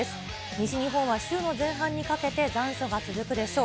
西日本は週の前半にかけて残暑が続くでしょう。